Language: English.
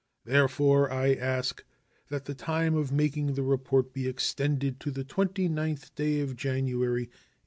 Therefore I ask that the time of making the report be extended to the 29th day of January, 1877.